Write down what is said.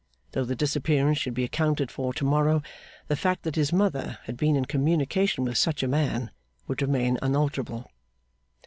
Though the disappearance should be accounted for to morrow, the fact that his mother had been in communication with such a man, would remain unalterable.